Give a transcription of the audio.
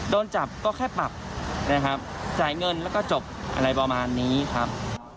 โดนจับก็แค่ปรับนะครับจ่ายเงินแล้วก็จบอะไรประมาณนี้ครับ